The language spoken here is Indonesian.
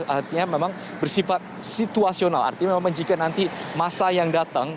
artinya memang bersifat situasional artinya memang jika nanti masa yang datang